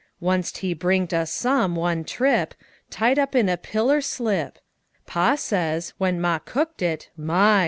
Wunst he bringed us some, one trip, Tied up in a piller slip: Pa says, when Ma cooked it, "MY!